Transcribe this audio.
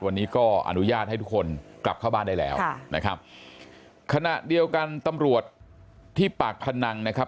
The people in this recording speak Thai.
วันนี้ก็อนุญาตให้ทุกคนกลับเข้าบ้านได้แล้วค่ะนะครับขณะเดียวกันตำรวจที่ปากพนังนะครับ